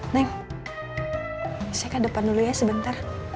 neng saya ke depan dulu ya sebentar